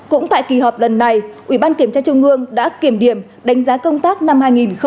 năm cũng tại kỳ họp lần này ủy ban kiểm tra trung ương đã kiểm điểm đánh giá công tác năm hai nghìn hai mươi một